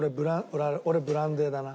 俺ブランデーだな。